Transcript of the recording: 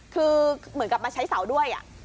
คือเหมือนกับมาใช้เสาด้วย